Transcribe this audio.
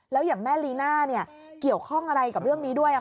แล้วอย่างแม่ลีน่าเกี่ยวข้องอะไรกับเรื่องนี้ด้วย